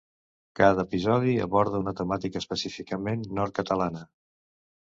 Cada episodi aborda una temàtica específicament nord-catalana.